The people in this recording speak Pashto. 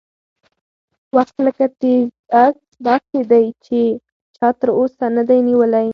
وخت لکه تېز اس داسې دی چې چا تر اوسه نه دی نیولی.